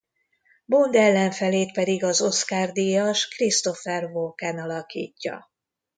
Bond ellenfelét pedig az Oscar-díjas Christopher Walken alakítja.